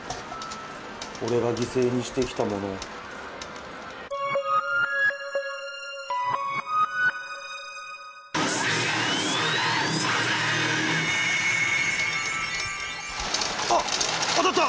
俺が犠牲にしてきたものあっ当たった！